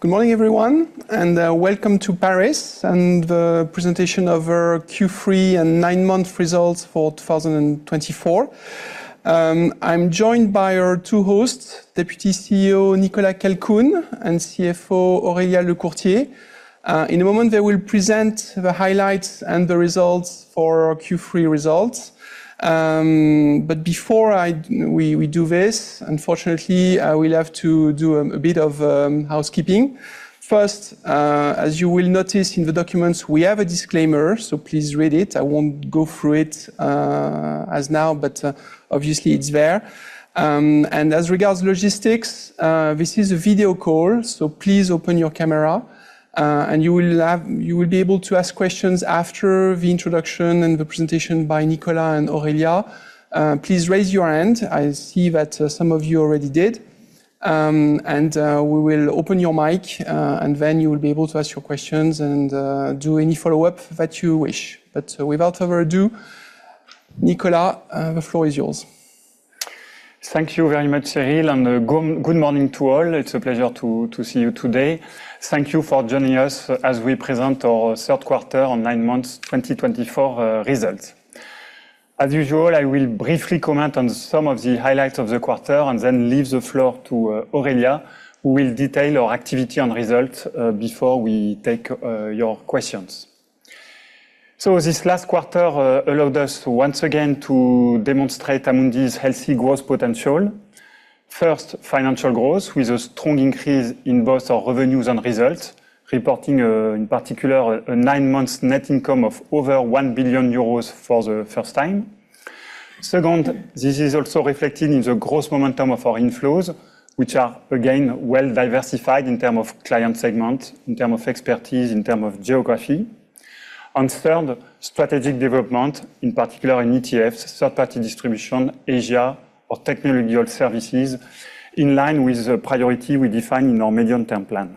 Good morning everyone and welcome to Paris and the presentation of our Q3 and nine-month results for 2024. I'm joined by our two hosts, Deputy CEO Nicolas Calcoen and CFO Aurélia Lecourtier. In a moment they will present the highlights and the results for Q3 results. But before we do this, unfortunately we'll have to do a bit of housekeeping first. First, as you will notice in the documents, we have a disclaimer, so please read it. I won't go through it as now, but obviously it's there. And as regards logistics, this is a video call, so please open your camera and you will be able to ask questions. After the introduction and the presentation by Nicolas and Aurélia, please raise your hand. I see that some of you already did. We will open your mic and then you will be able to ask your questions and do any follow up that you wish. But without further ado, Nicolas, the floor is yours. Thank you very much, Cyril, and good morning to all. It's a pleasure to see you today. Thank you for joining us as we present our third quarter, nine months, 2024 results. As usual, I will briefly comment on some of the highlights of the quarter and then leave the floor to Aurélia who will detail our activity and results before we take your questions. So, this last quarter allowed us once again to demonstrate Amundi's healthy growth potential. First, financial growth with a strong increase in both our revenues and results, reporting in particular a nine months net income of over 1 billion euros for the first time. Second, this is also reflected in the growth momentum of our inflows which are again well diversified in terms of client segment, in terms of expertise, in terms of geography and third, strategic development, in particular in ETFs, third party distribution, Asia or technological services, in line with the priority we define in our medium term plan.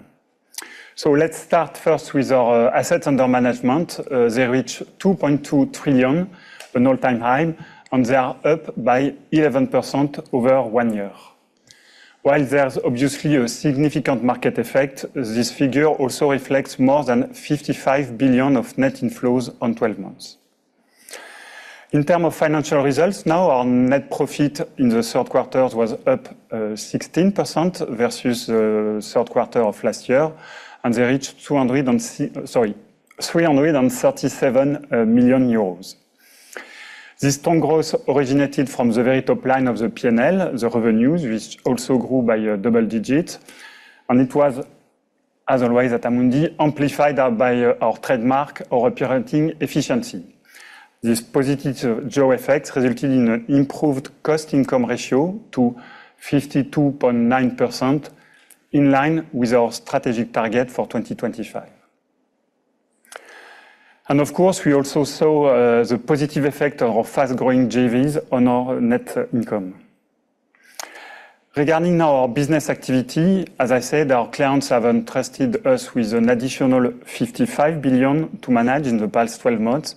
So let's start first with our assets under management. They reach 2.2 trillion, an all-time high and they are up by 11% over one year. While there's obviously a significant market effect, this figure also reflects more than 55 billion of net inflows on 12 months. In terms of financial results now, our net profit in the third quarter was up 16% versus the third quarter of last year and they reached 337 million euros. This strong growth originated from the very top line of the P&L, the revenues, which also grew by double digits, and it was as always at Amundi, amplified by our trademark or operating efficiency. This positive jaws effect resulted in an improved cost-income ratio to 52.9% in line with our strategic target for 2025, and of course we also saw the positive effect of our fast-growing JVs on our net income. Regarding our business activity, as I said, our clients have entrusted us with an additional 55 billion to manage in the past 12 months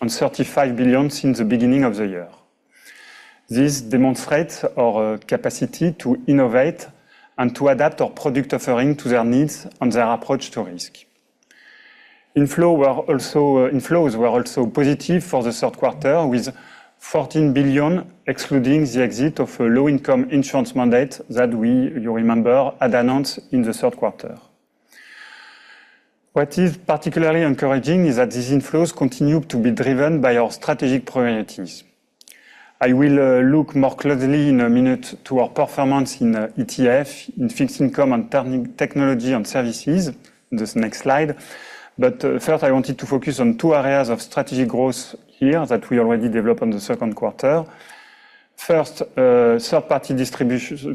and 35 billion since the beginning of the year. This demonstrates our capacity to innovate and to adapt our product offering to their needs and their approach to risk inflows. Inflows were also positive for the third quarter with 14 billion excluding the exit of a low-income insurance mandate that we, you remember, had announced in the third quarter. What is particularly encouraging is that these inflows continue to be driven by our strategic priorities. I will look more closely in a minute to our performance in ETF in fixed income and turning technology and services in this next slide. But first I wanted to focus on two areas of strategic growth here that we already developed in the second quarter. First, third party distribution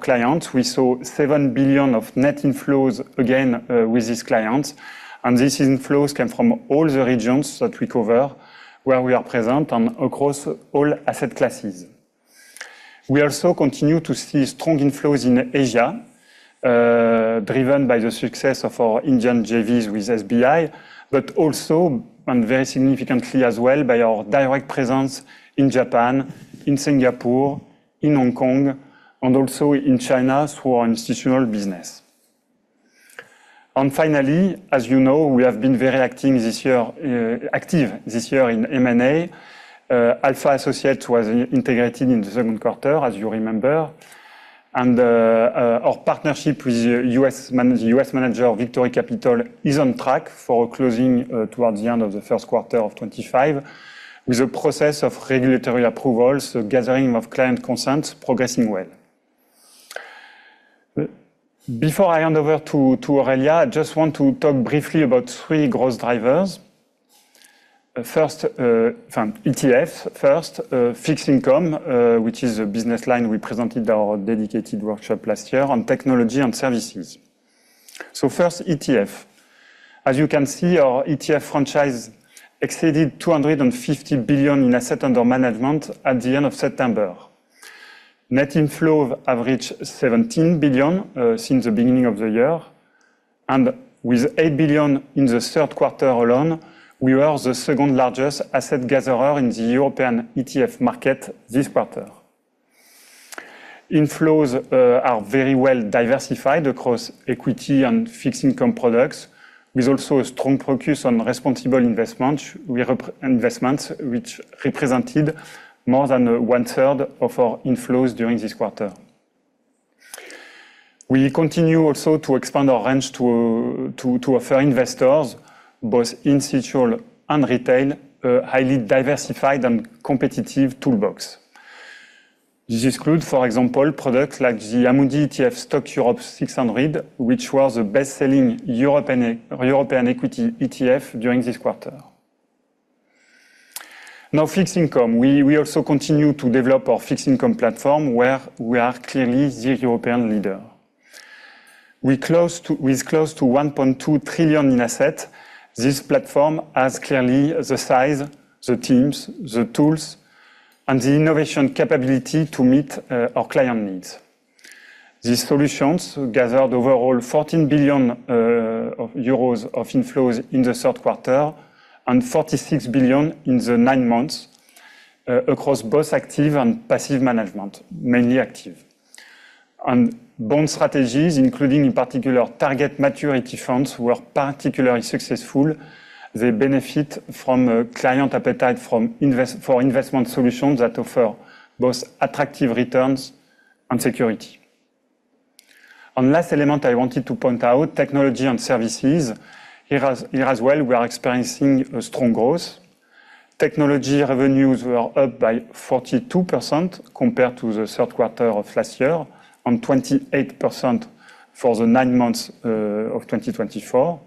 clients. We saw 7 billion of net inflows again with these clients and these inflows came from all the regions that we cover, where we are present and across all asset classes. We also continue to see strong inflows in Asia driven by the success of our Indian JVs with SBI, but also by, and very significantly as well by our direct presence in Japan, in Singapore, in Hong Kong and also in China through our institutional business. And finally, as you know, we have been very active this year in M&A. Alpha Associates was integrated in the second quarter as you remember, and our partnership with the U.S. manager Victory Capital is on track for closing towards the end of first quarter of 2025 with a process of regulatory approvals, gathering of client consent, progressing well. Before I hand over to Aurélia, I just want to talk briefly about three growth drivers. First, ETFs first, Fixed Income, which is a business line. We presented our dedicated workshop last year on Technology and Services. So first ETF. As you can see, our ETF franchise exceeded 250 billion in assets under management at the end of September. Net inflow averaged 17 billion since the beginning of the year and with 8 billion in the third quarter alone, we were the second largest asset gatherer in the European ETF market this quarter. Inflows are very well diversified across equity and fixed income products with also a strong focus on responsible investments which represented more than one third of our inflows during this quarter. We continue also to expand our range to offer investors, both institutional and retail, a highly diversified and competitive toolbox. This includes for example, products like the Amundi ETF STOXX Europe 600 which was the best-selling European Equity ETF during this quarter. Now, Fixed Income. We also continue to develop our Fixed Income platform where we are clearly the European leader. With close to 1.2 trillion in assets, this platform has clearly the size, the teams, the tools and the innovation capability to meet our client needs. These solutions gathered overall 14 billion euros of inflows in the third quarter and 46 billion in the nine months across both active and passive management. Mainly active and bond strategies, including in particular target maturity funds were particularly successful. They benefit from client appetite for investment solutions that offer both attractive returns and security. One last element I wanted to point out, Technology and Services. Here as well, we are experiencing strong growth. Technology revenues were up by 42% compared to the third quarter of last year and 28% for the nine months of 2024.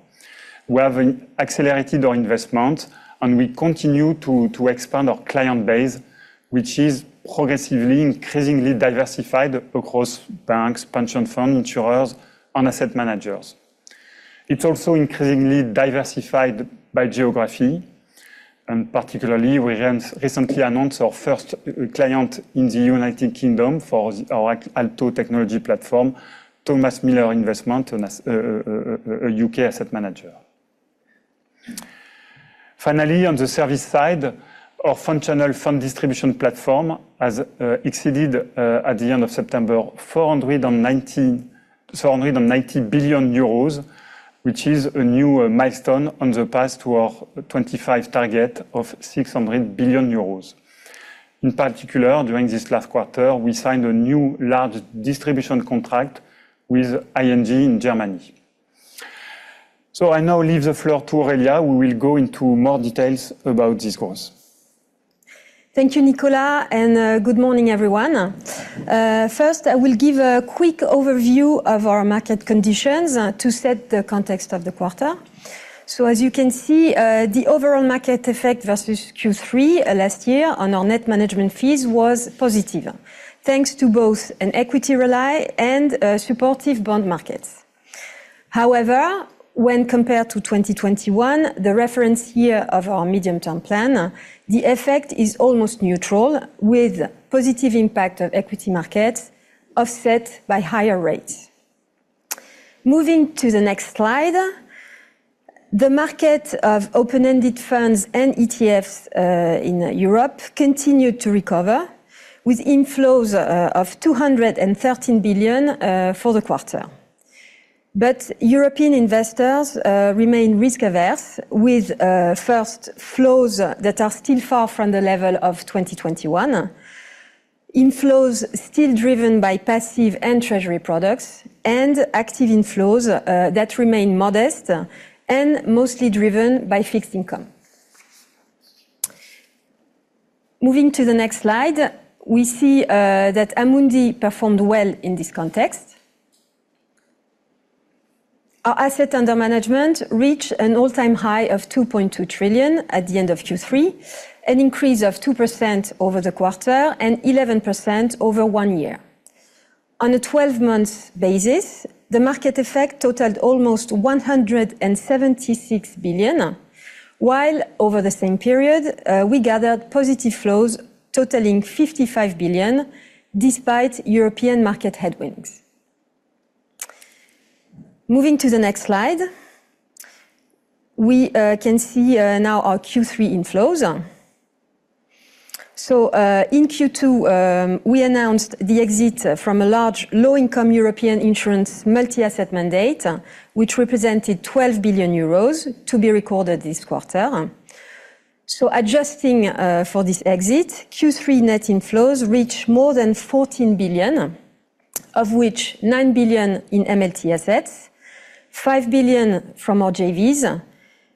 We have accelerated our investment and we continue to expand our client base which is progressively increasingly diversified across banks, pension fund insurers and asset managers. It's also increasingly diversified by geography and particularly we recently announced our first client in the United Kingdom for our Alto technology platform, Thomas Miller Investment, a U.K. asset manager. Finally, on the service side, our Fund Channel fund distribution platform has exceeded EUR 490 billion at the end of September, which is a new milestone on the path to our 2025 target of 600 billion euros. In particular, during this last quarter we signed a new large distribution contract with ING in Germany. So I now leave the floor to Aurélia who will go into more details about this growth. Thank you, Nicolas, and good morning, everyone. First, I will give a quick overview of our market conditions to set the context of the quarter. As you can see, the overall market effect versus Q3 last year on our net management fees was positive thanks to both an equity rally and supportive bond markets. However, when compared to 2021, the reference year of our medium-term plan, the effect is almost neutral with positive impact of equity markets offset by higher rates. Moving to the next slide, the market for open-ended funds and ETFs in Europe continued to recover with inflows of 213 billion for the quarter. But European investors remain risk averse with net flows that are still far from the level of 2021. Inflows still driven by passive and treasury products and active inflows that remain modest and mostly driven by fixed income. Moving to the next slide, we see that Amundi performed well in this context. Our assets under management reached an all-time high of 2.2 trillion at the end of Q3, an increase of 2% over the quarter and 11% over one year. On a 12-month basis the market effect totaled almost 176 billion while over the same period we gathered positive flows totaling 55 billion despite European market headwinds. Moving to the next slide, we can see now our Q3 inflows. So in Q2 we announced the exit from a large low income European insurance multi-asset mandate which represented 12 billion euros to be recorded this quarter. So adjusting for this exit, Q3 net inflows reached more than 14 billion of which 9 billion in MLT assets, 5 billion from our JVs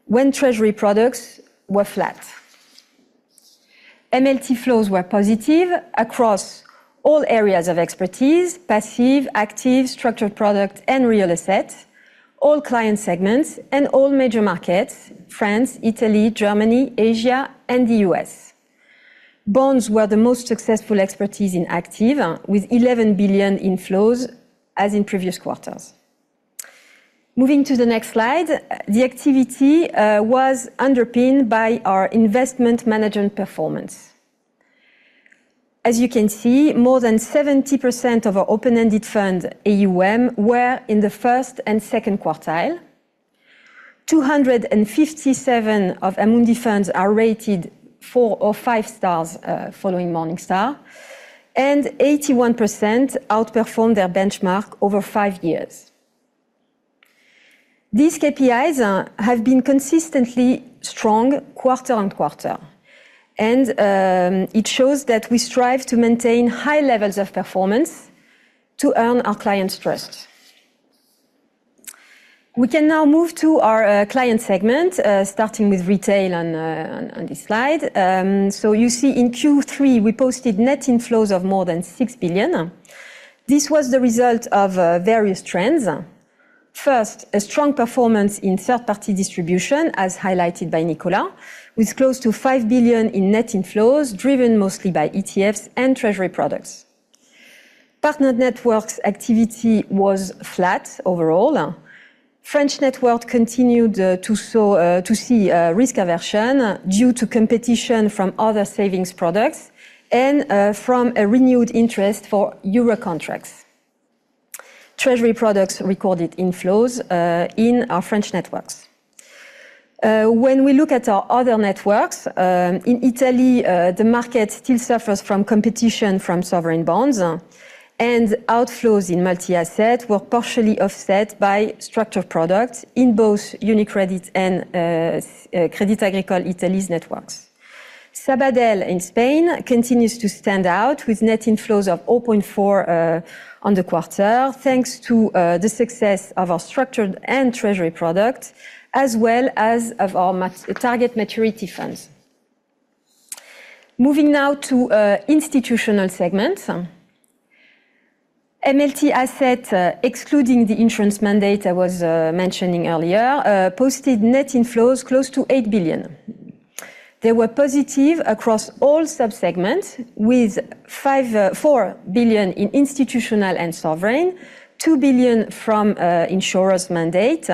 when Treasury products were flat. MLT flows were positive across all areas of expertise, passive, active, structured product and real assets, all client segments and all major markets, France, Italy, Germany, Asia and the U.S. Bonds were the most successful expertise in active with 11 billion inflows. As in previous quarters. Moving to the next slide, the activity was underpinned by our investment management performance. As you can see more than 70% of our open-ended fund AUM were in the first and second quartile. 257 of Amundi funds are rated four or five stars following Morningstar and 81% outperformed their benchmark over 5 years. These KPIs have been consistently strong quarter on quarter, and it shows that we strive to maintain high levels of performance to earn our clients' trust. We can now move to our client segment starting with retail on this slide. You see in Q3 we posted net inflows of more than 6 billion. This was the result of various trends. First, a strong performance in third-party distribution as highlighted by Nicolas with close to 5 billion in net inflows driven mostly by ETFs and treasury products. Partnered networks activity was flat. Overall French network continued to see risk aversion due to competition from other savings products and from a renewed interest for Euro contracts. Treasury products recorded inflows in our French networks. When we look at our other networks in Italy, the market still suffers from competition from sovereign bonds and outflows in multi asset were partially offset by structured products in both UniCredit and Crédit Agricole Italy's networks. Sabadell in Spain continues to stand out with net inflows of 0.4 billion on the quarter thanks to the success of our structured and treasury product as well as of our target maturity funds. Moving now to Institutional segments. MLT assets, excluding the insurance mandate I was mentioning earlier, posted net inflows close to 8 billion. They were positive across all subsegments with 4 billion in Institutional and sovereign, 2 billion from insurance mandate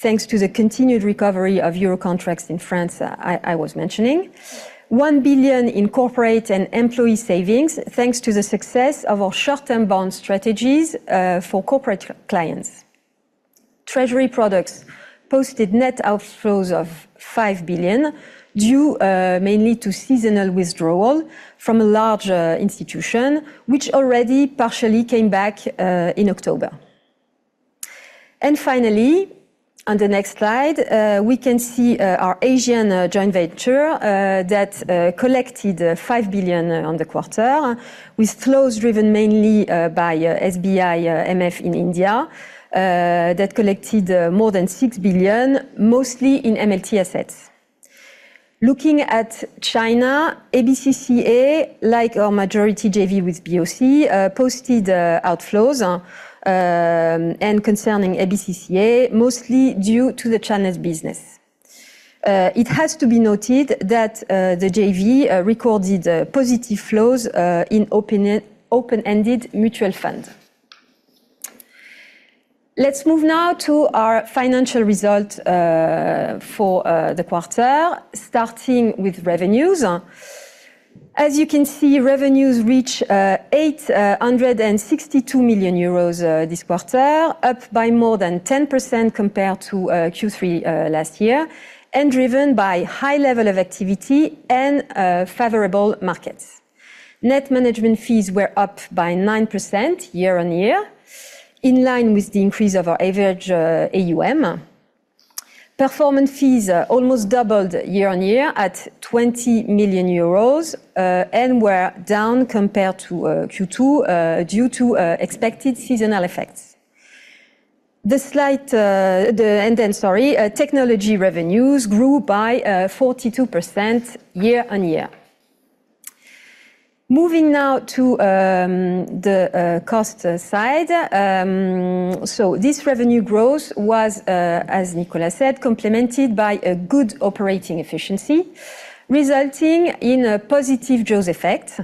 thanks to the continued recovery of Euro contracts in France I was mentioning, 1 billion in corporate and employee savings thanks to the success of our short-term bond strategies for corporate clients. Treasury products posted net outflows of 5 billion due mainly to seasonal withdrawal from a large institution which already partially came back in October, and finally on the next slide we can see our Asian joint venture that collected 5 billion on the quarter with flows driven mainly by SBI MF in India that collected more than 6 billion mostly in MLT assets. Looking at China, ABC-CA, like our majority JV with BOC, posted outflows and concerning ABC-CA mostly due to the Chinese business. It has to be noted that the JV recorded positive flows in open-ended mutual fund. Let's move now to our financial result for the quarter, starting with revenues. As you can see, revenues reach 862 million euros this quarter, up by more than 10% compared to Q3 last year and driven by high level of activity and favorable markets. Net management fees were up by 9% year-on-year in line with the increase of our average AUM performance. Fees almost doubled year-on-year at 20 million euros and were down compared to Q2 due to expected seasonal effects. Technology revenues grew by 42% year-on-year. Moving now to the Costs side. So this revenue growth was, as Nicolas said, complemented by a good operating efficiency resulting in a positive jaws effect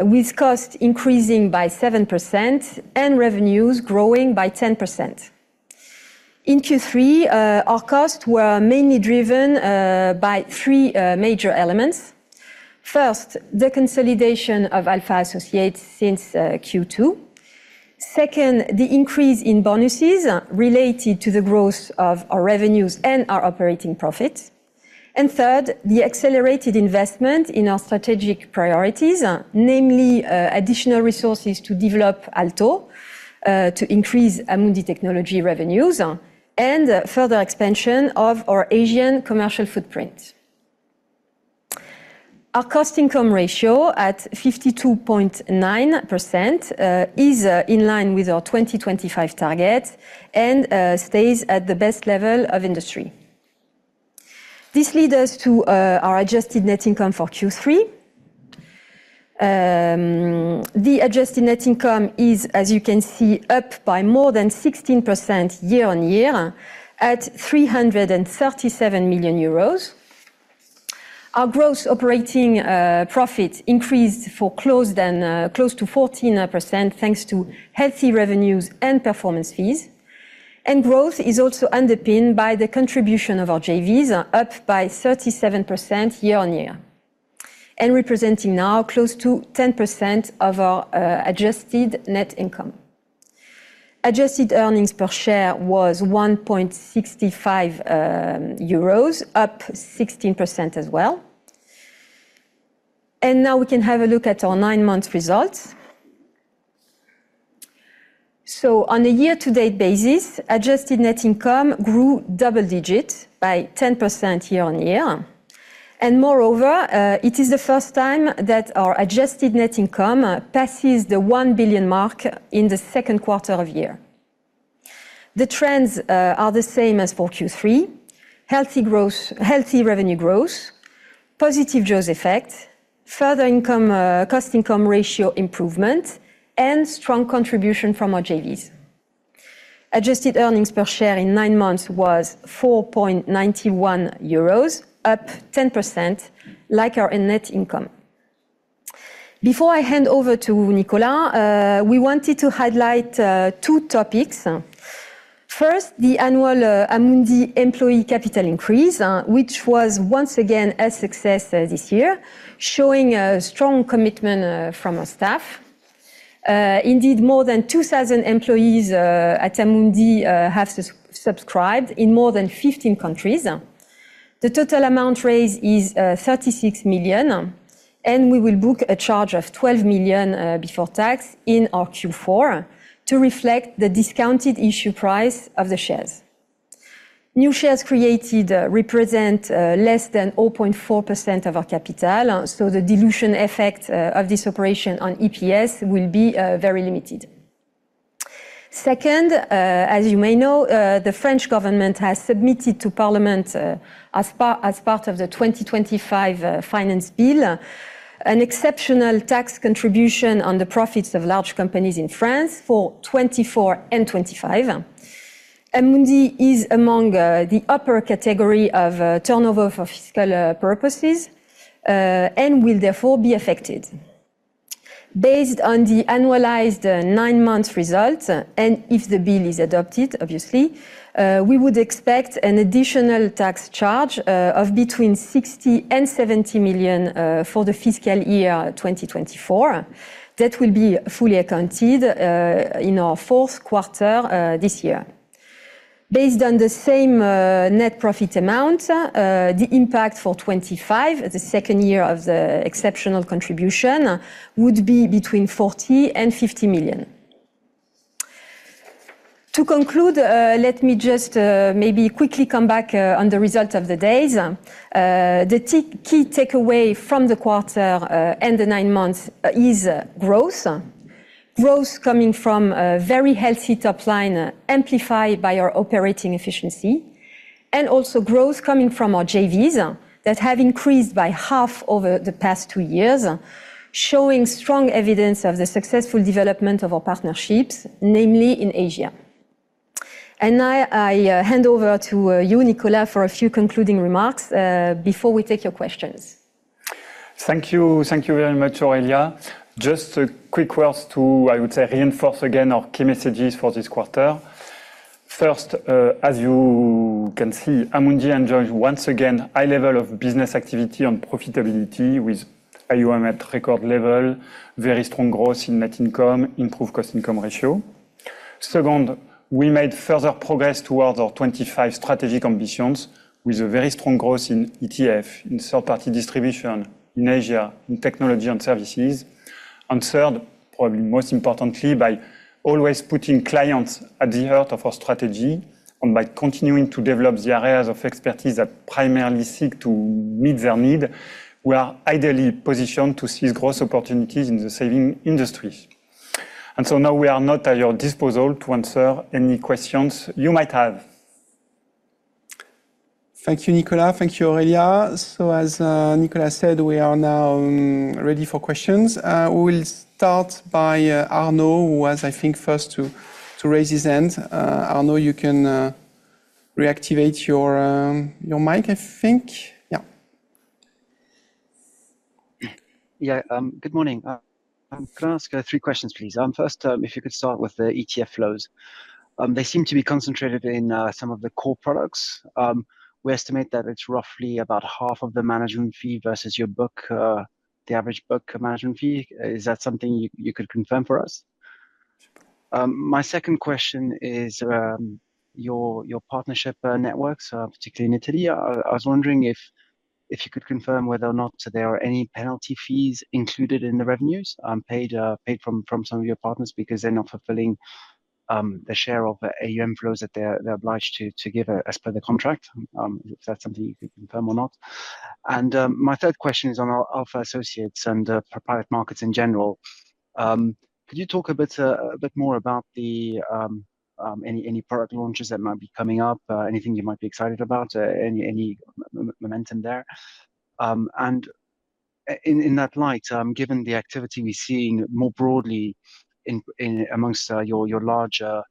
with costs increasing by 7% and revenues growing by 10%. In Q3, our costs were mainly driven by three major elements. First, the consolidation of Alpha Associates since Q2. Second, the increase in bonuses related to the growth of our revenues and our operating profits and third, the accelerated investment in our strategic priorities, namely additional resources to develop Alto to increase Amundi Technology revenues and further expansion of our Asian commercial footprint. Our cost income ratio at 52.9% is in line with our 2025 target and stays at the best level of industry. This leads us to our adjusted net income for Q3. The adjusted net income is as you can see, up by more than 16% year-on-year at 337 million euros. Our gross operating profit increased for close to 14% thanks to healthy revenues and performance fees and growth is also underpinned by the contribution of our JVs, up by 37% year on year and representing now close to 10% of our adjusted net income. Adjusted earnings per share was 1.65 euros, up 16% as well. Now we can have a look at our nine-month results. On a year-to-date basis, adjusted net income grew double-digit by 10% year-on-year. Moreover, it is the first time that our adjusted net income passes the 1 billion mark in the second quarter of the year. The trends are the same as for Q3: healthy growth, healthy revenue growth, positive jaws effect, further income-to-cost ratio improvement, and strong contribution from our JVs. Adjusted earnings per share in nine months was 4.91 euros, up 10% like our net income. Before I hand over to Nicolas, we wanted to highlight two topics. First, the annual Amundi employee capital increase, which was once again a success this year, showing a strong commitment from our staff. Indeed, more than 2,000 employees at Amundi have subscribed in more than 15 countries. The total amount raised is 36 million and we will book a charge of 12 million before tax in our Q4 to reflect the discounted issue price of the shares. New shares created represent less than 0.4% of our capital. So the dilution effect of this operation on EPS will be very limited. Second, as you may know, the French government has submitted to Parliament as part of the 2025 Finance Bill, an exceptional tax contribution on the profits of large companies in France for 2024 and 2025. Amundi is among the upper category of turnover for fiscal purposes and will therefore be affected based on the annualized nine-month results and if the bill is adopted, obviously we would expect an additional tax charge of between 60 million and 70 million for the fiscal year 2024 that will be fully accounted in our fourth quarter this year. Based on the same net profit amount, the impact for 2025, the second year of the exceptional contribution would be between 40 million and 50 million. To conclude, let me just maybe quickly come back on the results of the day. The key takeaway from the quarter and the nine months is growth. Growth coming from a very healthy top line, amplified by our operating efficiency and also growth coming from our JVS that have increased by half over the past two years, showing strong evidence of the successful development of our partnerships, namely in Asia. And I hand over to you Nicolas for a few concluding remarks before we take your questions. Thank you. Thank you very much. Aurélia, just a quick words to I would say reinforce again our key messages for this quarter. First, as you can see, Amundi enjoys once again high level of business activity and profitability with AUM at record level. Very strong growth in net income, improved cost income ratio. Second, we made further progress towards our 2025 strategic ambitions with a very strong growth in ETF, in third-party distribution in Asia, in Technology and Services. Third, probably most importantly, by always putting clients at the heart of our strategy and by continuing to develop the areas of expertise that primarily seek to meet their needs, we are ideally positioned to seize growth opportunities in the saving industries. So now we are at your disposal to answer any questions you might have. Thank you, Nicolas. Thank you, Aurélia. So, as Nicolas said, we are now ready for questions. We will start by Arnaud, who was, I think, first to raise his hand. Arnaud, you can reactivate your mic, I think. Yeah. Yeah. Good morning. Can I ask three questions, please? First, if you could start with the ETF flows. They seem to be concentrated in some of the core products. We estimate that it's roughly about half of the management fee versus your book, the average book management fee. Is that something you could confirm for us? My second question is your partnership networks, particularly in Italy. I was wondering if you could confirm whether or not there are any penalty fees included in the revenues paid from some of your partners because they're not fulfilling the share of AUM flows that they're obliged to give as per the contract, if that's something you can confirm or not. My third question is on Alpha Associates and private markets in general. Could you talk a bit more about any product launches that might be coming up, anything you might be excited about, any momentum there? And in that light, given the activity we're seeing more broadly amongst your larger,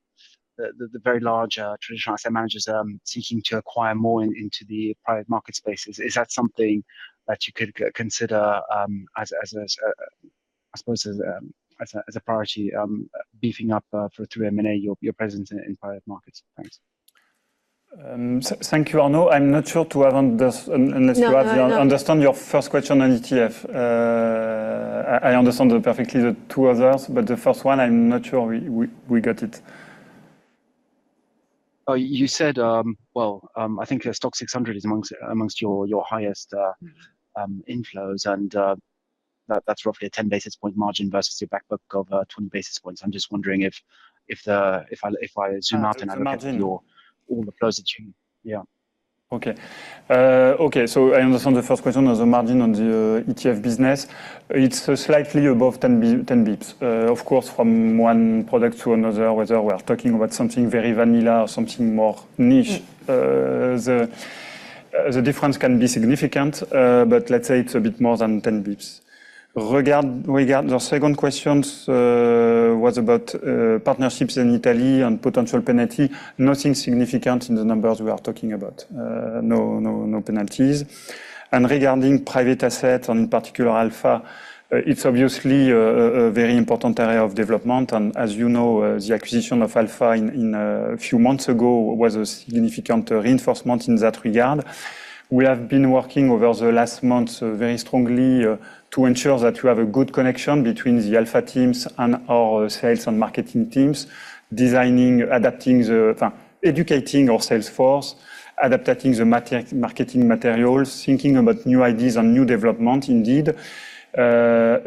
the very large traditional asset managers seeking to acquire more into the private market spaces, is that something that you could consider, as, I suppose, as a priority, beefing up through M&A, your presence in private markets? Thanks. Thank you. Arnaud, I'm not sure I understand your first question on ETF. I understand perfectly the two others, but the first one, I'm not sure we got it. You said, well, I think STOXX 600 is amongst your highest inflows, and that's roughly a 10 basis point margin versus your back book of 20 basis points. I'm just wondering if I zoom out and I look at all the flows that you. Okay. So I understand the first question of the margin on the ETF business. It's slightly above 10 basis points, of course, from one product to another, whether we're talking about something very vanilla or something more niche, the difference can be significant. But let's say it's a bit more than 10 basis points. The second question was about partnerships in Italy and potential penalty. Nothing significant in the numbers we are talking about, no penalties. And regarding private assets and in particular Alpha, it's obviously a very important area of development. And as you know, the acquisition of Alpha a few months ago was a significant reinforcement in that regard. We have been working over the last months very strongly to ensure that you have a good connection between the Alpha teams and our sales and marketing teams. Designing, adapting, educating our sales force, adapting the marketing materials, thinking about new ideas and new development. Indeed.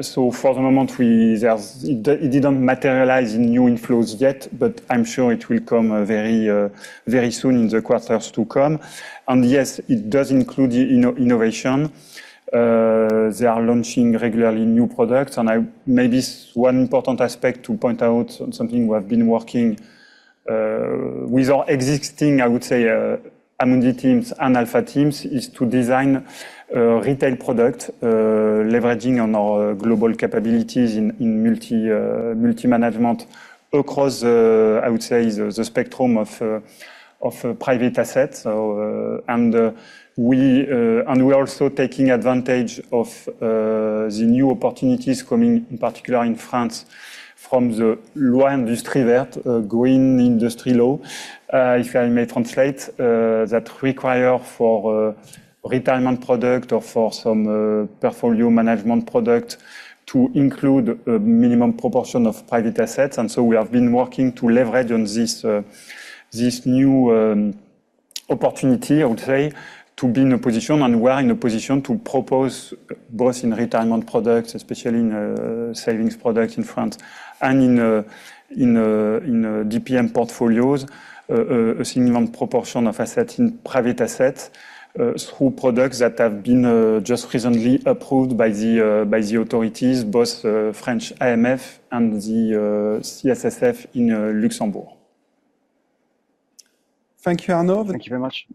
So for the moment we. It didn't materialize in new inflows yet, but I'm sure it will come very, very soon in the quarters to come. And yes, it does include innovation. They are launching regularly new products and maybe one important aspect to point out, something we have been working with our existing, I would say Amundi teams and Alpha teams is to design retail product leveraging on our global capabilities in multi management across I would say the spectrum of private assets. And we're also taking advantage of the new opportunities coming in particular in France from the Loi Industrie Verte, Green Industry Law, if I may translate that require for retirement product or for some portfolio management product to include a minimum proportion of private assets. We have been working to leverage on this new opportunity. I would say to be in a position and we are in a position to propose both in retirement products, especially in savings products in France and in DPM portfolios, a similar proportion of assets in private assets, our products that have been just recently approved by the authorities in both the French AMF and the CSSF in Luxembourg. Thank you, Arnaud. Thank you very much.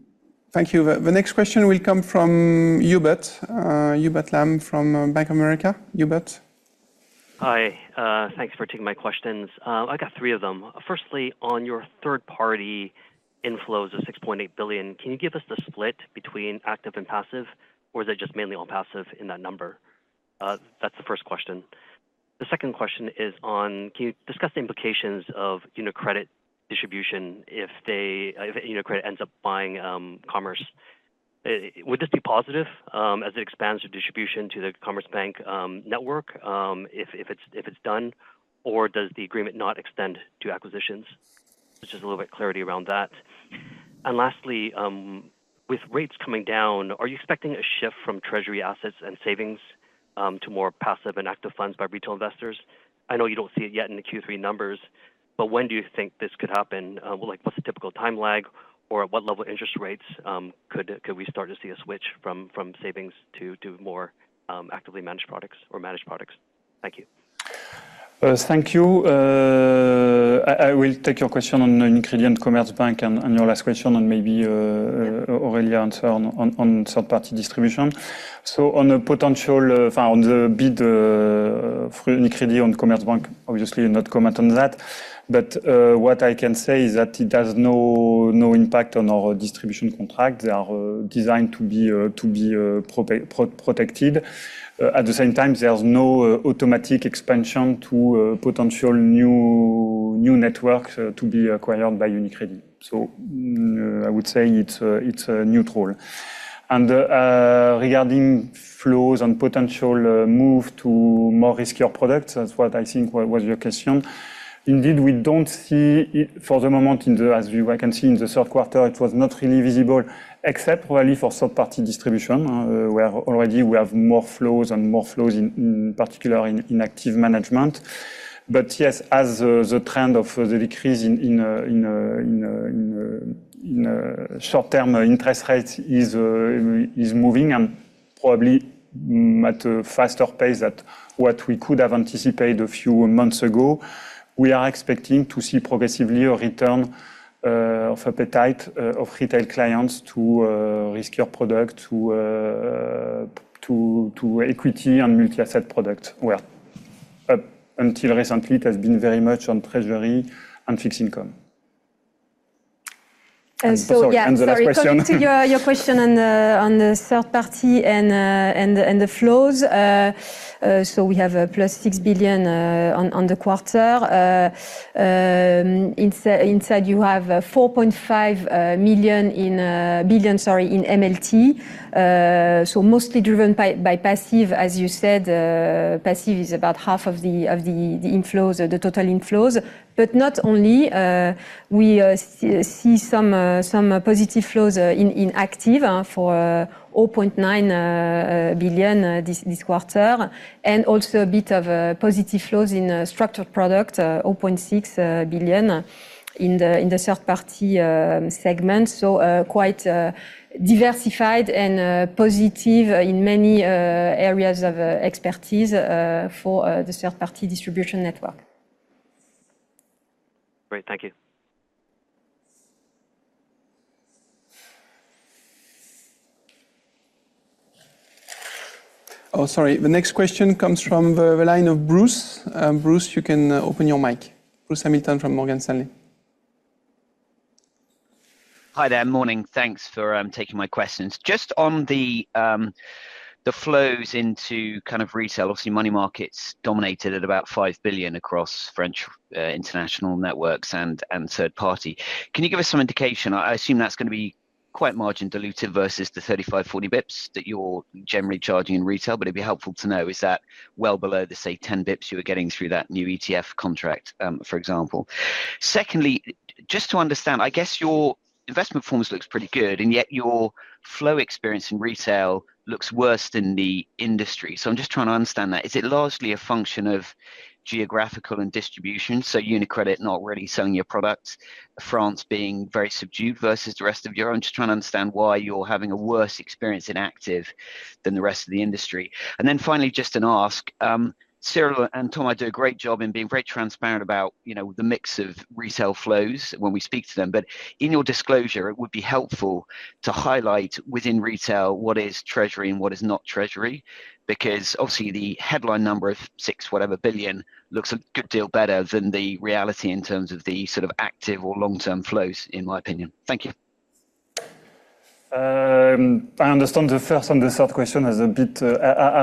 Thank you. The next question will come from Hubert, Hubert Lam from Bank of America. Hubert? Hi. Thanks for taking my questions. I got three of them. Firstly, on your third-party inflows of 6.8 billion, can you give us the split between active and passive or is it just mainly on passive in that number? That's the first question. The second question is on can you discuss the implications of UniCredit distribution if they, if UniCredit ends up buying Commerzbank, would this be positive as it expands the distribution to the Commerzbank network if it's done or does the agreement not extend to acquisitions? Just a little bit clarity around that. And lastly, with rates coming down, are you expecting a shift from treasury assets and savings to more passive and active funds by retail investors? I know you don't see it yet in the Q3 numbers, but when do you think this could happen? Like, what's the typical time lag or at what level interest rates could we start to see a switch from savings to do more actively managed products or managed products? Thank you. Thank you. I will take your question on UniCredit and Commerzbank and your last question and maybe Aurélia on third-party distribution. So on a potential bid on UniCredit and Commerzbank obviously not comment on that but what I can say is that it has no impact on our distribution contract. They are designed to be protected. At the same time there's no automatic expansion to potential new networks to be acquired by UniCredit, so I would say it's neutral. And regarding flows and potential move to more riskier products, that's what I think was your question. Indeed we don't see for the moment, as I can see in the third quarter it was not really visible except really for third party distribution where already we have more flows and more flows in particular in active management. But yes, as the trend of the decrease in short-term interest rates is moving and probably at a faster pace than what we could have anticipated a few months ago, we are expecting to see progressively a return of appetite of retail clients to riskier products: to equity and multi-asset products, where until recently it has been very much on treasury and fixed income. About your question on the third party and the flows. We have +6 billion on the quarter. Inside you have 4.5 billion in MLT. So mostly driven by passive as you said, passive is about half of the inflows of the total inflows. But not only we see some positive flows in active for 0.9 billion this quarter and also a bit of positive flows in structured product 0.6 billion in the third-party segments. So quite diversified and positive in many areas of expertise for the third party distribution network. Great, thank you. Oh, sorry. The next question comes from the line of Bruce. Bruce, you can open your mic. Bruce Hamilton from Morgan Stanley. Hi there. Morning. Thanks for taking my questions. Just on the flows into kind of retail. Obviously money markets dominated at about 5 billion across French international networks and third party. Can you give us some indication? I assume that's going to be quite margin dilutive versus the 35-40 basis points that you're generally charging in retail. But it'd be helpful to know is that well below the say 10 basis points you were getting through that new ETF contract, for example. Secondly, just to understand, I guess your investment funds looks pretty good and yet your flow experience in retail looks worse than the industry. So I'm just trying to understand that is it largely a function of geographical and distribution so UniCredit not really selling your products. France being very subdued versus the rest of Europe. I'm just trying to understand why you're having a worse experience in active than the rest of the industry. And then finally just an ask Cyril and Tom. I do a great job in being very transparent about the mix of retail flows when we speak to them. But in your disclosure it would be helpful to highlight within retail what is treasury and what is not treasury because obviously the headline number of six whatever billion looks a good deal better than the reality in terms of the sort of active or long term flows in my opinion. Thank you. I understand the first and the third question are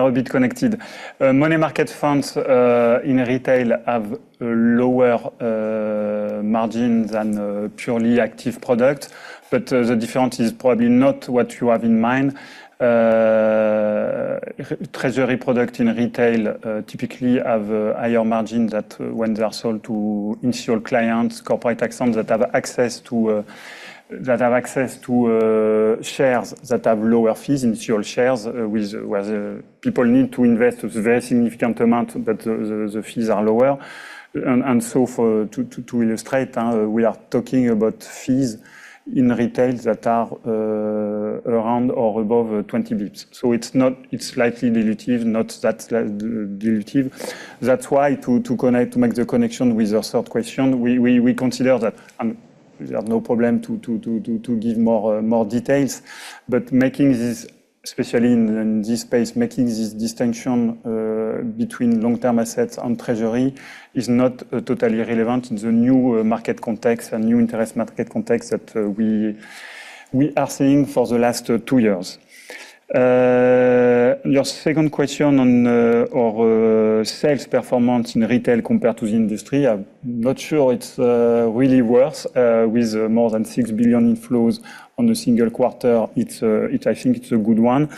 a bit connected. Money market funds in retail have lower margins and purely active product. But the difference is probably not what you have in mind. Treasury products in retail typically have higher margins than when they are sold to institutional clients, corporate clients that have access to shares that have lower fees, institutional shares where people need to invest very significant amounts but the fees are lower. And so to illustrate, we are talking about fees in retail that are around or above 20 basis points. So it's not. It's slightly dilutive. Not that dilutive. That's why to connect, to make the connection with your third question, we consider that. And we have no problem. To give more details but making this especially in this space making this distinction between long-term assets on treasury is not totally relevant new market context and new interest market context that we are seeing for the last two years. Your second question on sales performance in Retail compared to the industry. I'm not sure it's really worth with more than 6 billion inflows on a single quarter. I think it's a good one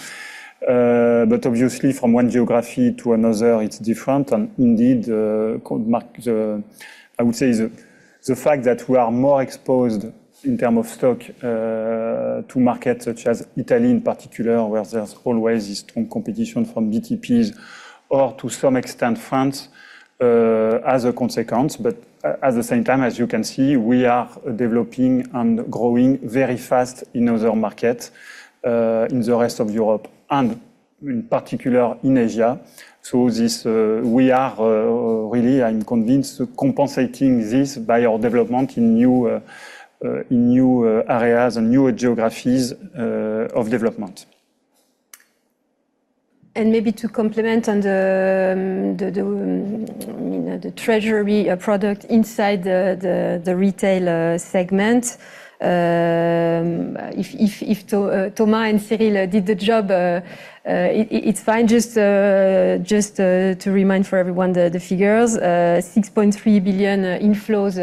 but obviously from one geography to another it's different and indeed I would say the fact that we are more exposed in terms of stock to markets such as Italy in particular where there's always competition from BTPs or to some extent France as a consequence. But at the same time as you can see we are developing and growing very fast in other markets in the rest of Europe and in particular in Asia. So we are really I'm convinced compensating this by our development in new areas and new geographies of development. And maybe to complement on the treasury product inside the Retail segment. If Thomas and Cyril did the job, it's fine. Just to remind everyone the figures 6.3 billion inflows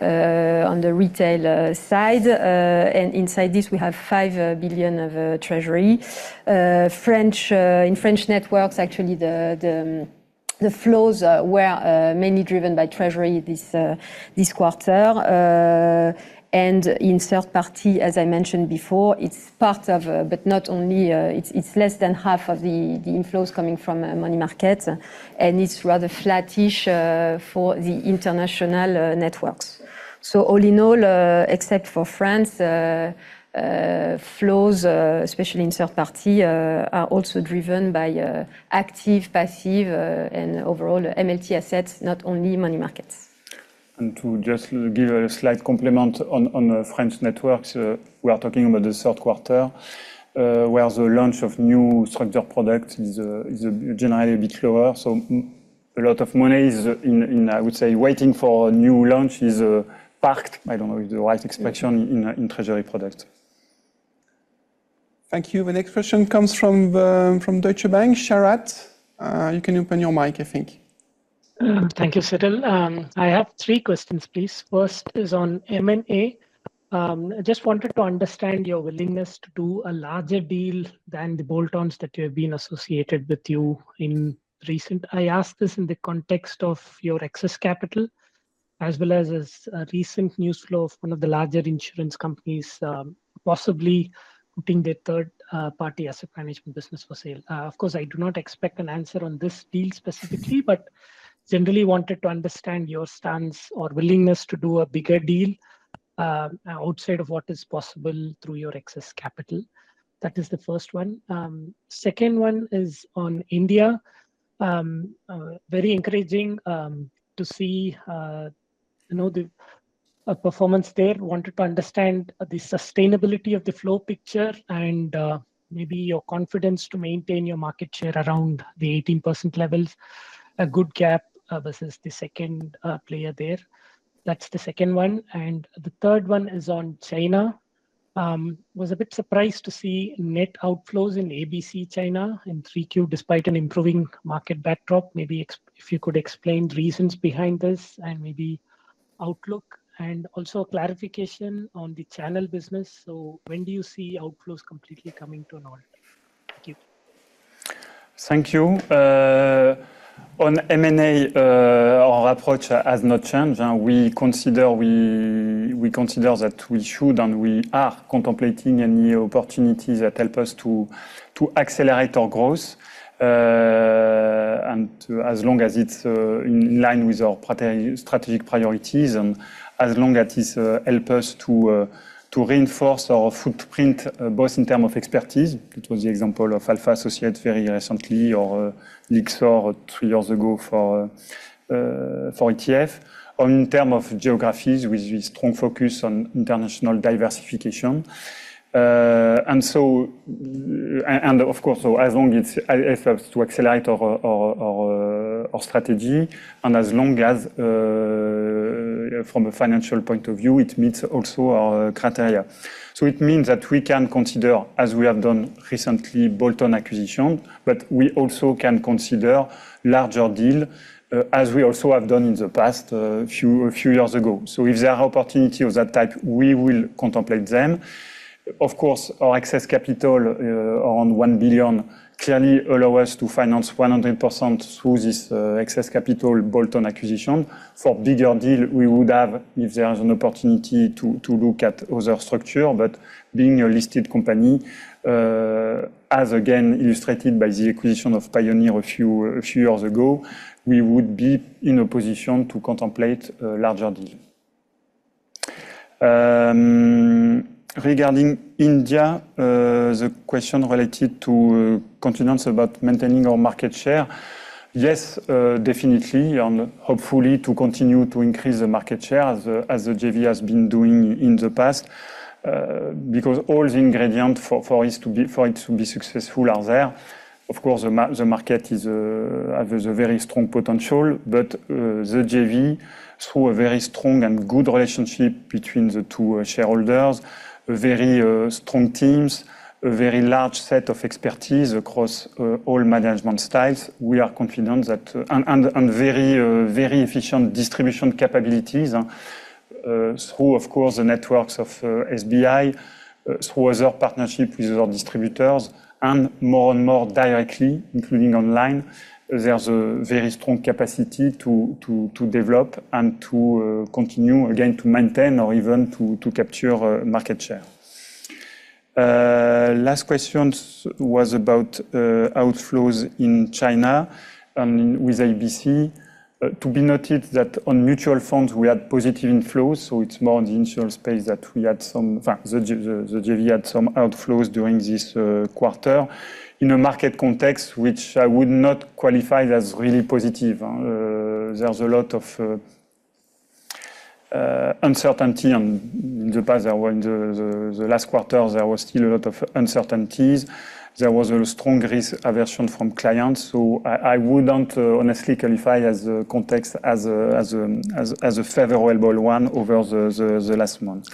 on the Retail side and inside this we have 5 billion of treasury. French, in French networks, actually the flows were mainly driven by treasury this quarter and in third party, as I mentioned before, it's part of but not only, it's less than half of the inflows coming from money markets and it's rather flattish for the international networks. So all in all, except for France, flows especially in third party are also driven by active, passive and overall MLT assets, not only money markets. To just give a slight comment on the French networks, we are talking about the third quarter where the launch of new structured products is generally a bit lower. A lot of money I would say waiting for a new launch is parked. I don't know if the right expression in treasury products. Thank you. The next question comes from Deutsche Bank. Sharath, you can open your mic I think. Thank you, Cyril. I have three questions, please. First is on M&A. Just wanted to understand your willingness to do a larger deal than the bolt-ons that you have been associated with in recent. I ask this in the context of your excess capital as well as a recent news flow of one of the larger insurance companies possibly putting the third-party asset management business for sale. Of course, I do not expect an answer on this deal specifically, but generally wanted to understand your stance or willingness to do a bigger deal outside of what is possible through your excess capital. That is the first one. Second one is on India. Very encouraging to see performance there. Wanted to understand the sustainability of the flow picture and maybe your confidence to maintain your market share around the 18% levels. A good gap versus the second player there. That's the second one and the third one is on China. Was a bit surprised to see net outflows in ABC China in 3Q despite an improving market backdrop. Maybe if you could explain reasons behind this and maybe outlook and also clarification on the channel business. So when do you see outflows completely coming to an end? Thank you. Thank you. On M&A our approach has not changed. We consider that we should and we are contemplating any opportunities that help us to accelerate our growth and as long as it's in line with our strategic priorities and as long as it help us to reinforce our footprint both in terms of expertise. It was the example of Alpha Associates very recently or Lyxor 3 years ago for ETF or in term of geographies with strong focus on international diversification and of course as long as efforts to accelerate or our strategy and as long as from a financial point of view it meets also our criteria. So it means that we can consider, as we have done recently, bolt-on acquisition but we also can consider larger deal as we also have done in the past few years ago. So if there are opportunities of that type, we will contemplate them. Of course, our excess capital of 1 billion clearly allow us to finance 100% through this excess capital bolt-on acquisition for bigger deal we would have if there is an opportunity to look at other structures. But being a listed company, as again illustrated by the acquisition of Pioneer a few years ago, we would be in a position to contemplate larger deals. Regarding India, the question related to concerns about maintaining our market share. Yes, definitely. Hopefully to continue to increase the market share as the JV has been doing in the past because all the ingredients for it to be successful are there. Of course the market has a very strong potential, but the JV through a very strong and good relationship between the two shareholders, very strong teams, a very large set of expertise across all management styles. We are confident that and very very efficient distribution capabilities through of course the networks of SBI, through other partnership with our distributors and more and more directly, including online. There's a very strong capacity to develop and to continue again to maintain or even to capture market share. Last question was about outflows in China and with ABC. To be noted that on mutual funds we had positive inflows. So it's more in the institutional space that we had some. The JV had some outflows during this quarter in a market context which I would not qualify as really positive. There's a lot of uncertainty and the last quarter there was still a lot of uncertainties. There was a stronger aversion from clients. So I wouldn't honestly qualify as a context as a favorable one over the last month.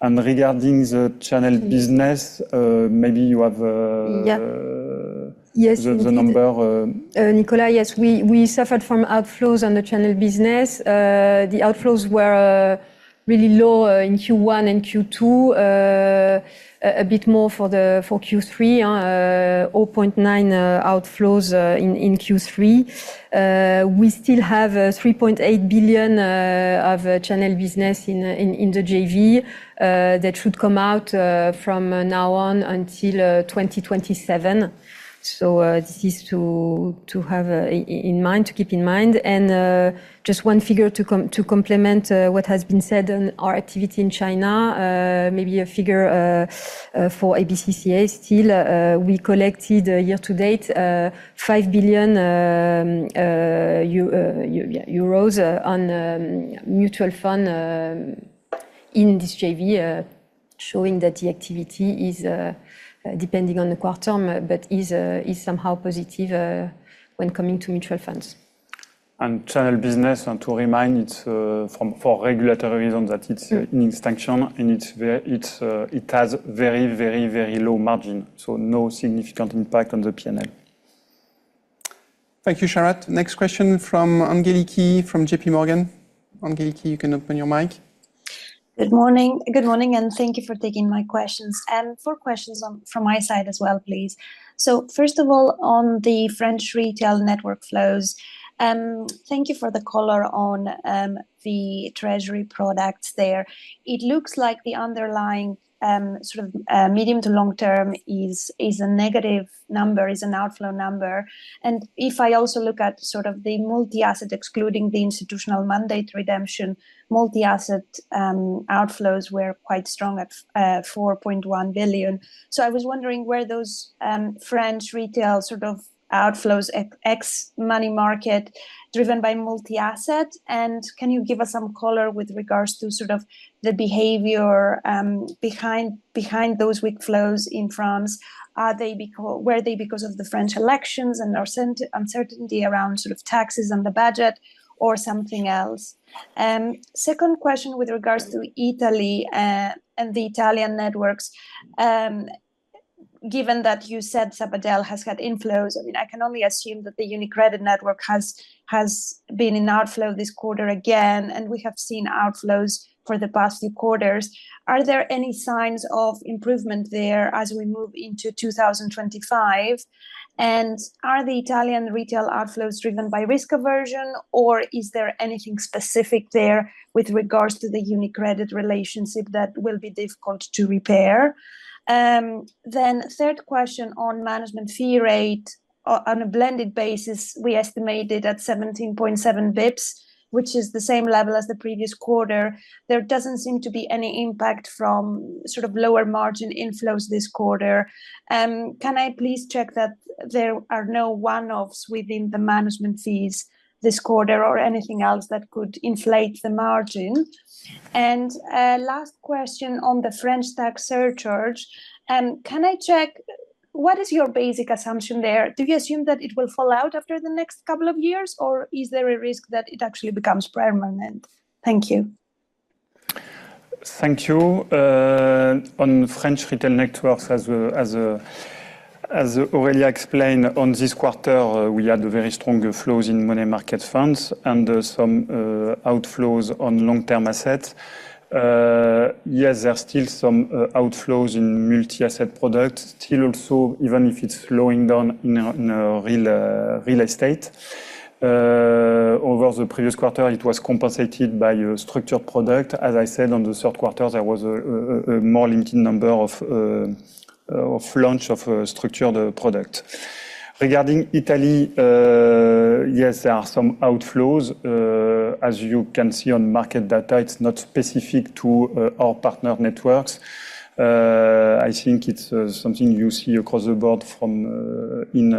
And regarding the Channel business, maybe you. Have. The number. Nicolas, yes, we suffered from outflows on the Channel business. The outflows were really low in Q1 and Q2, a bit more for Q3, 0.9 billion outflows in Q3. In Q3 we still have 3.8 billion of Channel business in the JV that should come out from now on until 2027. This is to have in mind, to keep in mind, and just one figure to complement what has been said on our activity in China. Maybe a figure for ABC-CA, still we collected year-to-date EUR 5 billion on mutual fund in this JV showing that the activity is depending on the quarter but is somehow positive when coming. To mutual funds. And Channel business, to remind, it's for regulatory reasons that it's an extension and it has very, very, very low margin. So no significant impact on the P&L. Thank you, Sharath. Next question from Angeliki from JPMorgan. Angeliki, you can open your mic. Good morning and thank you for taking my questions and four questions from my side as well please. So first of all on the French Retail network flows, thank you for the color on the treasury products there. It looks like the underlying sort of medium to long term is a negative number, is an outflow number. And if I also look at sort of the multi-asset excluding the institutional mandate redemption, multi-asset outflows were quite strong at 4.1 billion. So I was wondering where those French Retail sort of outflows excluding money market driven by multi-asset and can you give us some color with regards to sort of the behavior behind those weak flows in France? Were they because of the French elections and uncertainty around sort of taxes and the budget or something else? Second question with regards to Italy and the Italian networks, given that you said Sabadell has had inflows. I mean I can only assume that the UniCredit network has been in outflow this quarter again and we have seen outflows for the past few quarters. Are there any signs of improvement there as we move into 2025? And are the Italian retail outflows driven by risk aversion or is there anything specific there with regards to the UniCredit relationship that will be difficult to repair? Then third question on management fee rate on a blended basis we estimated at 17.7 basis points which is the same level as the previous quarter. There doesn't seem to be any impact from sort of lower margin inflows this quarter. Can I please check that there are no one-offs within the management fees this quarter or anything else that could inflate the margin? Last question on the French tax surcharge, can I check what is your basic assumption there? Do you assume that it will fall out after the next couple of years or is there a risk that it actually becomes permanent? Thank you. Thank you. On French retail networks, as Aurélia explained, on this quarter we had very strong flows in money market funds and some outflows on long-term assets. Yes, there are still some outflows in multi-asset products still. Even if it's slowing down in real estate, over the previous quarter it was compensated by a structured product. As I said, in the third quarter there was a more limited number of launches of structured products. Regarding Italy, yes, there are some outflows as you can see on market data. It's not specific to our partner networks. I think it's something you see across the board in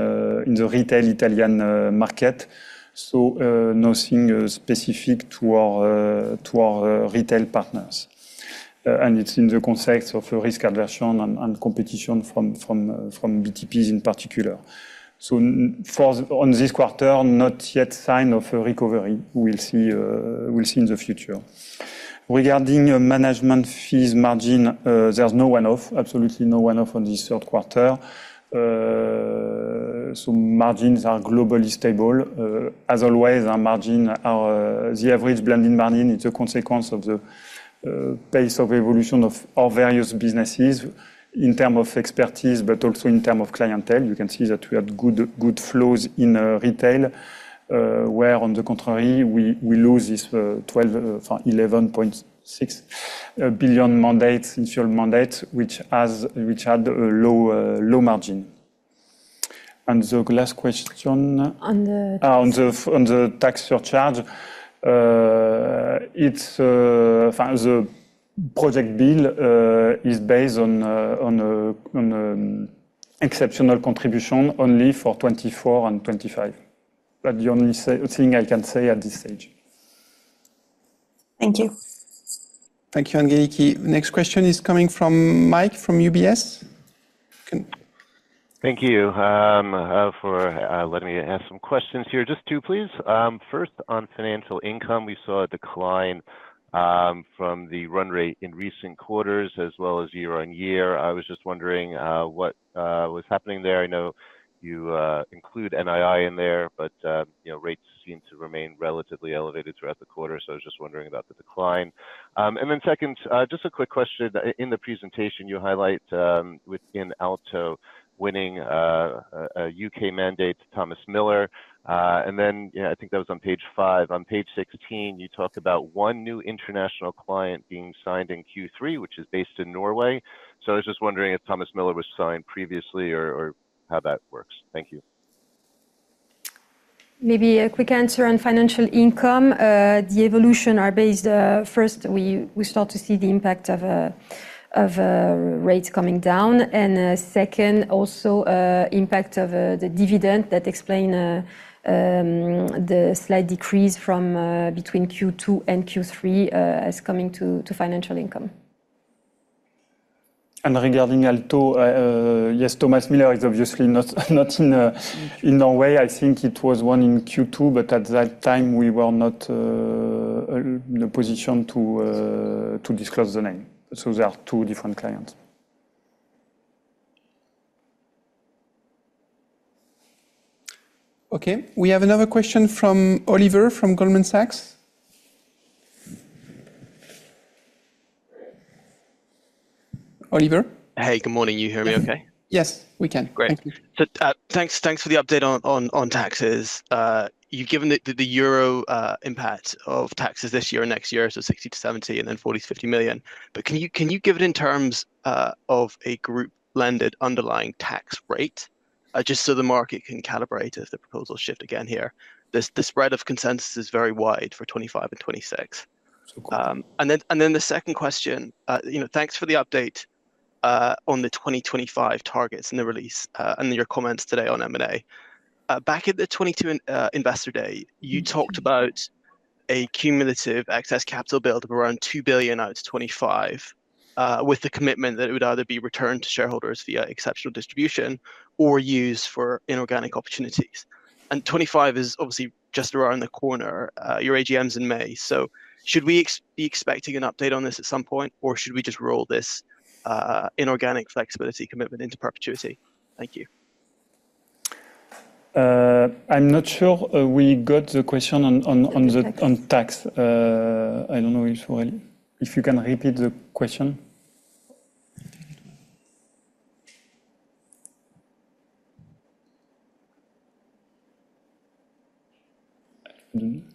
the retail Italian market. So nothing specific to our retail partners and it's in the context of risk aversion and competition from BTPs in particular. So in this quarter, not yet a sign of a recovery. We'll see, we'll see in the future. Regarding management fees margin, there's no one-off, absolutely no one-off on the third quarter. So margins are globally stable as always. Our margin, the average blended margin is a consequence of the pace of evolution of our various businesses in terms of expertise but also in terms of clientele. You can see that we had good flows in Retail where on the contrary we lose this 11.6 billion mandate, insurance mandate, which had a low margin. And the last question on the tax surcharge, the projected bill is based on exceptional contribution only for 2024 and 2025. That's the only thing I can say at this stage. Thank you. Thank you, Angeliki. Next question is coming from Mike from UBS. Thank you for letting me ask some questions here. Just two please. First, on financial income we saw a decline from the run rate in recent quarters as well as year on year. I was just wondering what was happening there. I know you include NII in there but you know rates seem to remain relatively elevated throughout the quarter. So I was just wondering about the decline. And then second, just a quick question. In the presentation you highlight within Alto winning a U.K. mandate Thomas Miller. And then I think that was on page five. On page 16 you talked about one new international client being signed in Q3 which is based in Norway. So I was just wondering if Thomas Miller was signed previously or how that works. Thank you. Maybe a quick answer. On financial income, the evolution are based. First, we start to see the impact of rates coming down. And second, also impact of the dividend. That explains the slight decrease from between Q2 and Q3 as coming to financial income. Regarding Alto, yes, Thomas Miller is obviously not in Norway. I think it was one in Q2 but at that time we were not in a position to disclose the name, so there are two different clients. Okay. We have another question from Oliver from Goldman Sachs. Oliver? Hey, good morning. You hear me okay? Yes, we can. Great, thanks for the update on taxes. You've given the euro impact of taxes this year and next year so 60 million-70 million and then 40 million-50 million. But can you give it in terms of a group-level underlying tax rate just so the market can calibrate as the proposals shift. Again, here, the spread of consensus is very wide for 2025 and 2026. And then the second question. You know, thanks for the update on the 2025 targets in the release and your comments today on M&A. Back at the 2022 Investor Day, you talked about a cumulative excess capital build of around 2 billion out to 2025, with the commitment that it would either be returned to shareholders via exceptional distribution or use for inorganic opportunities. 2025 is obviously just around the corner. Your AGM is in May, so should we be expecting an update on this at some point, or should we just roll this inorganic flexibility commitment into perpetuity? Thank you. I'm not sure we got the question on tax. I don't know. If you can repeat the question?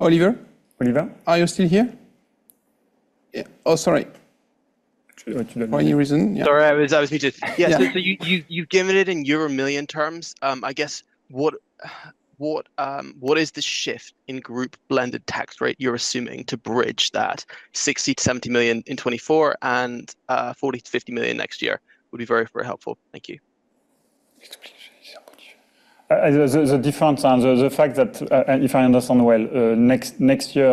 Oliver? Oliver? Are you still here? Oh, sorry. Sorry. I was muted. Yeah. So you've given it in euro million terms. I guess what, what, what is the shift in group blended tax rate you're assuming to bridge that 60 million-70 million in 2024 and 40 million-50 million next year would be very, very helpful. Thank you. The difference, the fact that if I understand well, next year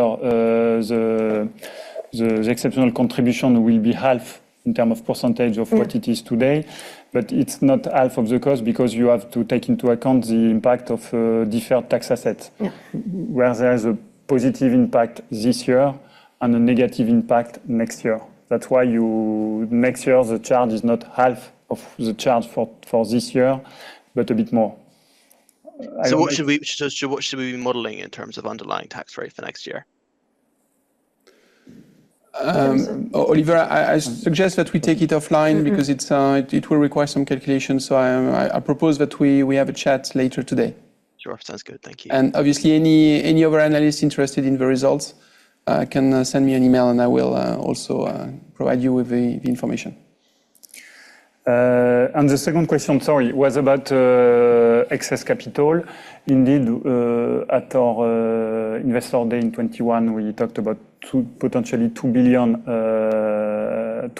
the exceptional contribution will be half in terms of percentage of what it is today, but it's not half of the cost because you have to take into account the impact of deferred tax assets where there is a positive impact this year and a negative impact next year. That's why you make sure the charge is not half of the charge for this year, but a bit more. So what should we be modeling in terms of underlying tax rate for next year? Oliver, I suggest that we take it offline because it will require some calculation. So I propose that we have a chat later today. Sure, sounds good. Thank you. Obviously, any other analysts interested in the results can send me an email, and I will also provide you with the information. And the second question, sorry, was about excess capital. Indeed, at our Investor Day in 2022, we talked about potentially 2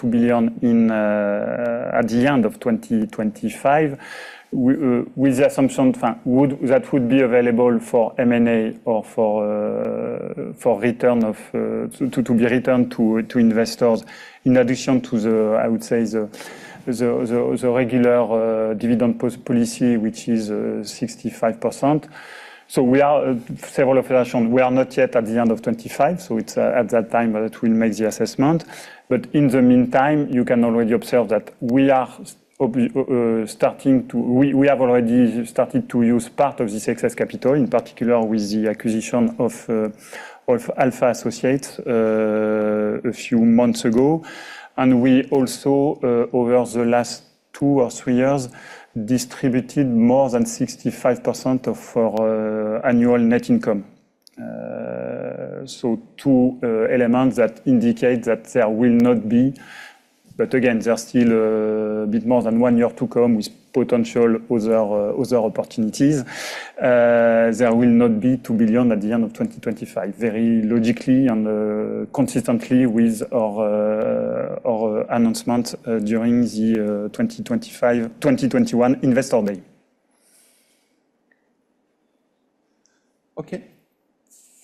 billion at the end of 2025, with the assumption that would be available for M&A or for return to be returned to investors, in addition to the, I would say the regular dividend policy, which is 65%. So we are several operations. We are not yet at the end of 2025. So it's at that time that we'll make the assessment. But in the meantime, you can already observe that. We have already started to use part of this excess capital, in particular with the acquisition of Alpha Associates a few months ago. And we also, over the last two or three years distributed more than 65% of annual net income. So two elements that indicate that there will not be. But again, there's still a bit more than one year to come with potential other opportunities. There will not be 2 billion at the end of 2025, very logically and consistently with our announcement during the 2022 Investor Day. Okay.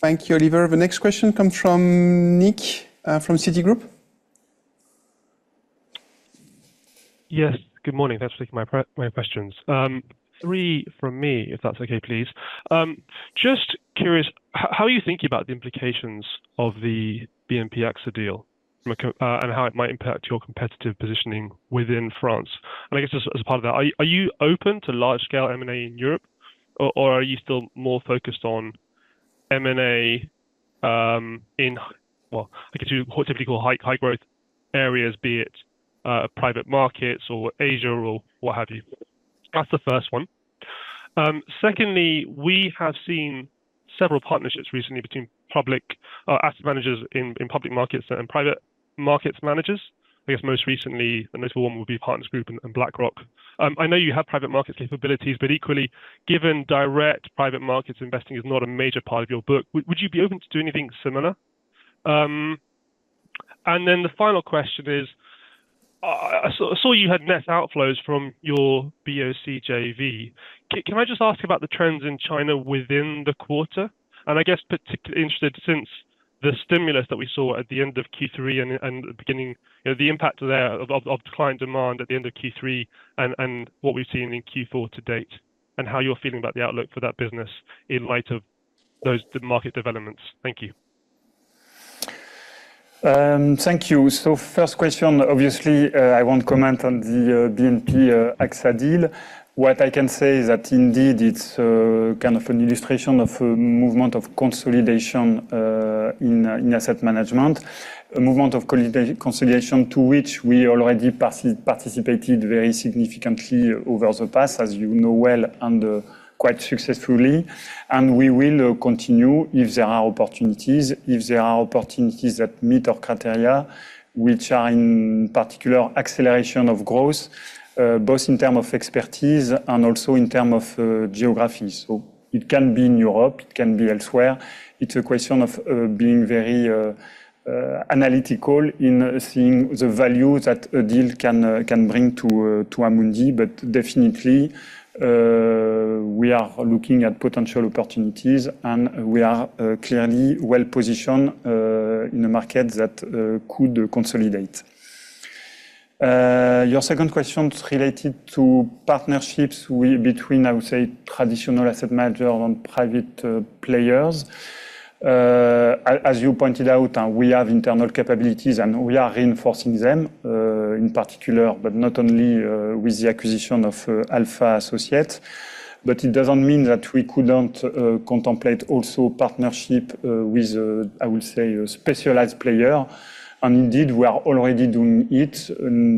Thank you, Oliver. The next question comes from Nick from Citigroup. Yes, good morning. Thanks for taking my questions. Three from me if that's okay, please. Just curious, how are you thinking about the implications of the BNP-AXA deal and how it might impact your competitive positioning within France? And I guess as part of that, are you open to large-scale M&A in Europe or are you still more focused on M&A in well, typical high growth areas, be it private markets or Asia or what have you? That's the first one. Secondly, we have seen several partnerships recently between public asset managers in public markets and private markets managers. I guess most recently the most would be Partners Group and BlackRock. I know you have private markets capabilities, but equally given direct private markets investing is not a major part of your book, would you be open to do anything similar? And then the final question is, I saw you had net outflows from your BOC JV. Can I just ask about the trends in China within the quarter and I guess particularly interested since the stimulus that we saw at the end of Q3 and beginning the impact there of client demand at the end of Q3 and what we've seen in Q4 to date and how you're feeling about the outlook for that business in light of those market developments? Thank you. Thank you. So first question, obviously I won't comment on the BNP-AXA deal. What I can say is that indeed it's kind of an illustration of movement of consolidation in asset management. A movement of consolidation to which we already participated very significantly over the past, as you know well and quite successfully. And we will continue if there are opportunities, if there are opportunities that meet our criteria, which are in particular acceleration of growth both in terms of expertise and also in terms of geographies. So it can be in Europe, it can be elsewhere. It's a question of being very analytical in seeing the value that a deal can bring to Amundi. But definitely we are looking at potential opportunities and we are clearly well positioned in a market that could consolidate. Your second question is related to partnerships between, I would say, traditional asset managers and private players. As you pointed out, we have internal capabilities and we are reinforcing them in particular, but not only with the acquisition of Alpha Associates, but it doesn't mean that we couldn't contemplate also partnership with, I would say, a specialized player. And indeed we are already doing it.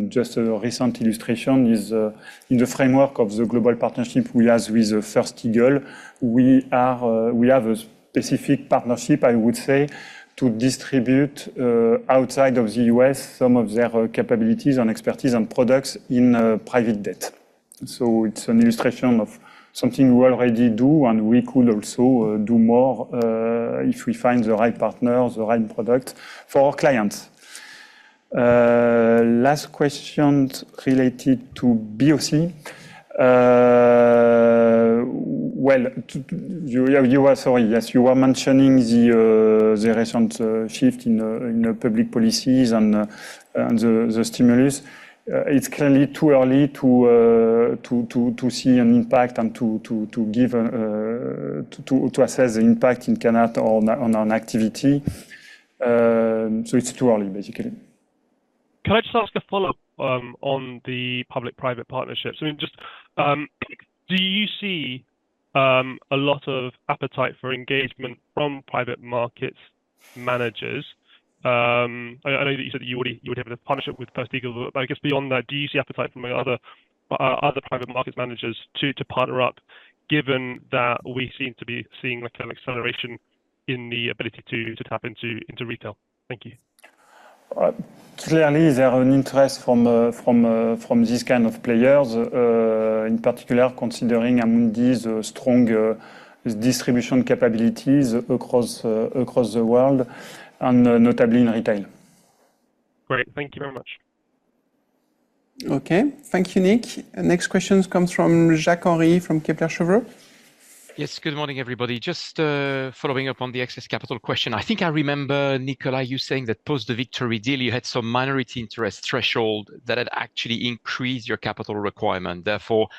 Just a recent illustration is in the framework of the global partnership, we, as with First Eagle, we are, we have a specific partnership, I would say, to distribute outside of the U.S. some of their capabilities and expertise and products in private debt. So it's an illustration of something we already do and we could also do more if we find the right partners, the right product for clients. Last question related to BOC. Well, you are, sorry, yes. You are mentioning the recent shift in public policies and the stimulus. It's clearly too early to see an impact and to assess the impact in Canada on activity. It's too early, basically. Can I just ask a follow-up on the public-private partnerships? I mean just do you see a lot of appetite for engagement from private market managers? I know that you said that you would have a partnership with First Eagle. I guess beyond that, do you see appetite for many other private markets managers to partner up, given that we seem to be seeing an acceleration in the ability to tap into Retail? Thank you. Clearly there is an interest from these kind of players in particular considering Amundi's strong distribution capabilities across the world and notably in Retail. Great, thank you very much. Okay. Thank you, Nick. Next question comes from Jacques-Henri Gaulard. From Kepler Cheuvreux. Yes, good morning everybody. Just following up on the excess capital question. I think I remember Nicolas, you saying. That post the Victory deal you had. Some minority interest threshold that had actually. Increased your capital requirement. Therefore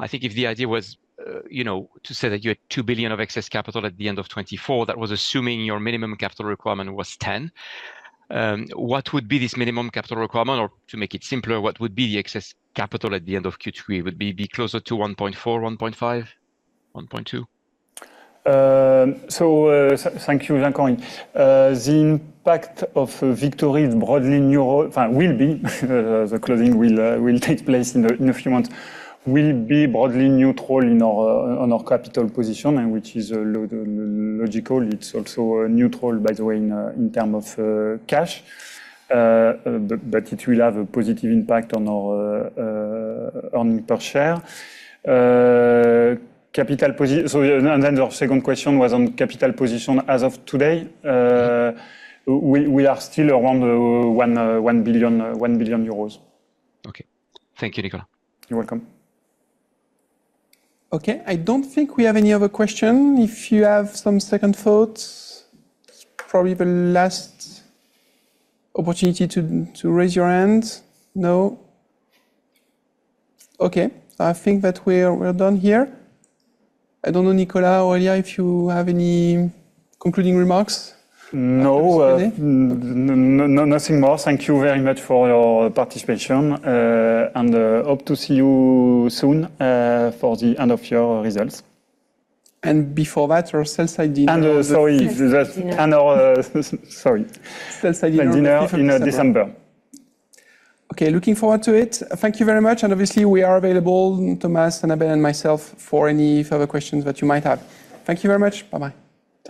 I think if the idea was to say that you had 2 billion of excess capital at the end of 2024, that was assuming your minimum capital requirement was 10. And what would be this minimum capital requirement? Or to make it simpler, what would be the excess capital at the end of Q3? Would it be closer to 1.4, 1.5, 1.2? So thank you, Jacques-Henri. The impact of Victory broadly will be the closing will take place in a few months, will be broadly neutral on our capital position, which is also logical. It's also neutral by the way, in terms of cash. But it will have a positive impact on our earnings per share. And then your second question was on capital position. As of today we are still around 1 billion euros. Okay. Thank you, Nicolas. You're welcome. Okay, I don't think we have any other question. If you have some second thoughts. Probably the last opportunity to raise your hand. No? Okay, I think that we're done here. I don't know, Nicolas or Aurélia, if you have any concluding remarks? No, nothing more. Thank you very much for your participation and hope to see you soon for the end-of-year results And before. That, our sell-side dinner. Sorry, our dinner in December. Okay, looking forward to it. Thank you very much. And obviously we are available, Thomas and Annabelle and myself, for any further questions that you might have. Thank you very much. Bye bye.